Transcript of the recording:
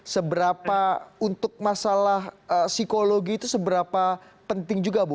seberapa untuk masalah psikologi itu seberapa penting juga bu